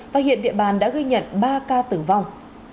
và hiện địa bàn đã ghi nhận ba ca tử vong